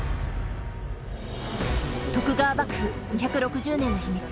徳川幕府２６０年の秘密。